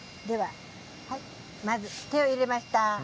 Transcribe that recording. まず入れました。